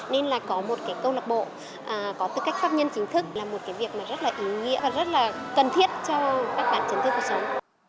nên là có một cái câu lạc bộ có tư cách pháp nhân chính thức là một cái việc mà rất là ý nghĩa và rất là cần thiết cho các bạn chấn thương cuộc sống